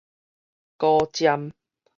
古箏